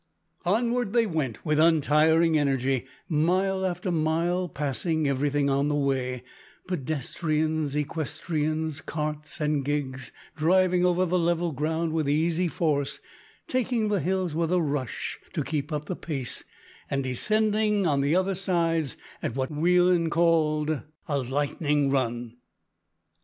Onward they went with untiring energy, mile after mile, passing everything on the way pedestrians, equestrians, carts and gigs; driving over the level ground with easy force, taking the hills with a rush to keep up the pace, and descending on the other sides at what Welland styled a "lightning run."